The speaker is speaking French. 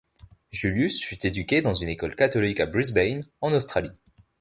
Julius fut éduqué dans une école catholique à Brisbane, en Australie.